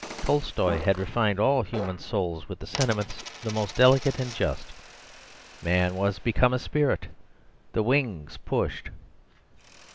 Tolstoy had refined all human souls with the sentiments the most delicate and just. Man was become a spirit; the wings pushed....